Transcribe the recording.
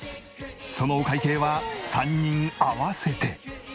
そのお会計は３人合わせて。